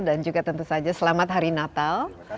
dan juga tentu saja selamat hari natal